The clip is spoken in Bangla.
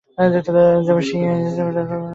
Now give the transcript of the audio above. ফেং-শি এবং ওর সাথীদের ধরার চেষ্টা কেন করছিলে?